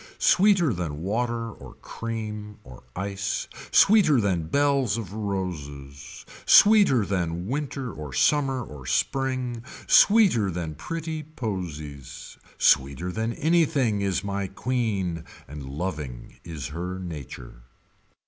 Sweeter than water or cream or ice. Sweeter than bells of roses. Sweeter than winter or summer or spring. Sweeter than pretty posies. Sweeter than anything is my queen and loving is her nature.